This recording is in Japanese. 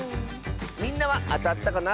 みんなはあたったかな？